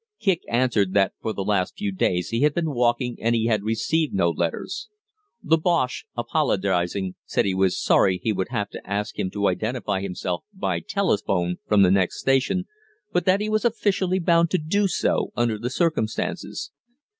Kicq answered that for the last few days he had been walking and he had received no letters. The Bosche, apologizing, said he was sorry he would have to ask him to identify himself by telephone from the next station, but that he was officially bound to do so under the circumstances.